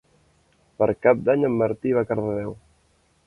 Per Cap d'Any en Martí va a Cardedeu.